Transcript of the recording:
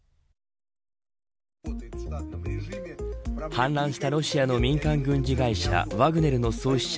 反乱したロシアの民間軍事会社ワグネルの創始者